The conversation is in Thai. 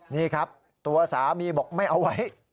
นี่ครับตัวสามีบอกไม่เอาไว้